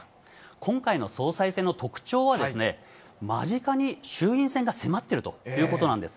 今回の総裁選の特徴はですね、間近に衆院選が迫っているということなんです。